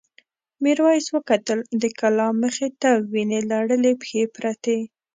میرويس وکتل د کلا مخې ته وینې لړلې پښې پرتې.